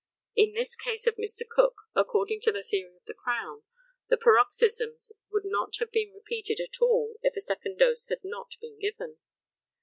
In this case of Mr. Cook, according to the theory of the Crown, the paroxysms would not have been repeated at all if a second dose had not been given.